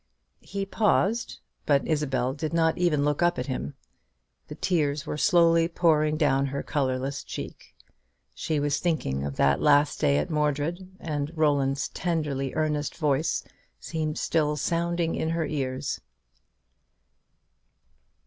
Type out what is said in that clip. He paused; but Isabel did not even look up at him. The tears were slowly pouring down her colourless cheeks. She was thinking of that last day at Mordred; and Roland's tenderly earnest voice seemed still sounding in her ears.